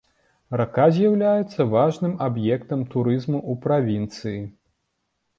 Рака з'яўляецца важным аб'ектам турызму ў правінцыі.